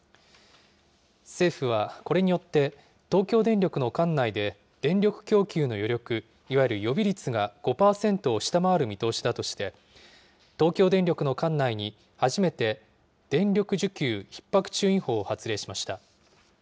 政府はこれによって、東京電力の管内で、電力供給の余力、いわゆる予備率が５％を下回る見通しだとして、東京電力の管内に初めて電力需給ひっ迫注意報を発令しました。